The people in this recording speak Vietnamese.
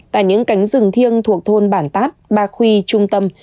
tại những cánh rừng thiêng thuộc thôn bản tát bạc huy trung tâm